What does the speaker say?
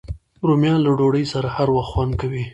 رومیان له ډوډۍ سره هر وخت خوند کوي